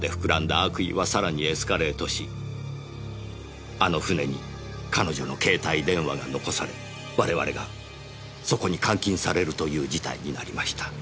悪意はさらにエスカレートしあの船に彼女の携帯電話が残され我々がそこに監禁されるという事態になりました。